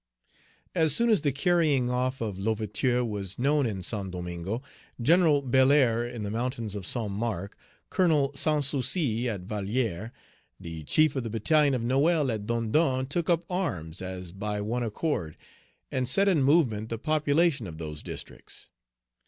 As soon as the carrying off of L'Ouverture was known in St. Domingo, General Belair, in the mountains of Saint Marc; Colonel Sans Souci, at Valière; the chief of the battalion of Noel, at Dondon, took up arms as by one accord, and set in movement the population of those districts.